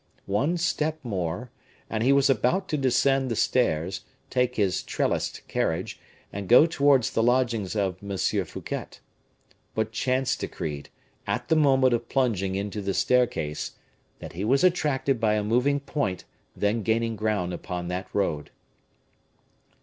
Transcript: One step more, and he was about to descend the stairs, take his trellised carriage, and go towards the lodgings of M. Fouquet. But chance decreed, at the moment of plunging into the staircase, that he was attracted by a moving point then gaining ground upon that road.